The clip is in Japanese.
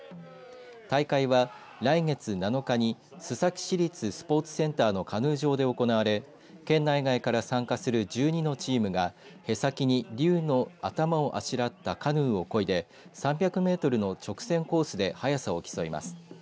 大会は来月７日に須崎市立スポーツセンターのカヌー場で行われ県内外から参加する１２のチームがへさきに竜の頭をあしらったカヌーをこいで３００メートルの直線コースで速さを競います。